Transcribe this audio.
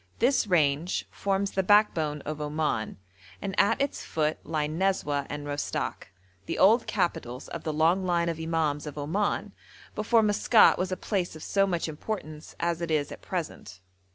This range forms the backbone of Oman, and at its foot lie Nezweh and Rostok, the old capitals of the long line of imams of Oman, before Maskat was a place of so much importance as it is at present.